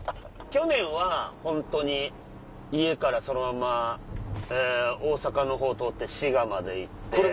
去年はホントに家からそのまま大阪のほう通って滋賀まで行って。